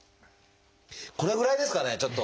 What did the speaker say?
これぐらいですかねちょっと。